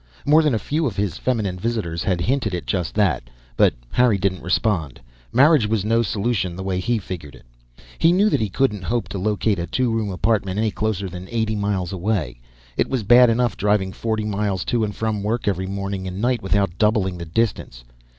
More than a few of his feminine visitors had hinted at just that, but Harry didn't respond. Marriage was no solution, the way he figured it. He knew that he couldn't hope to locate a two room apartment any closer than eighty miles away. It was bad enough driving forty miles to and from work every morning and night without doubling the distance.